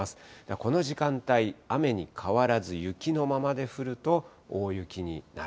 この時間帯、雨に変わらず、雪のままで降ると、大雪になる。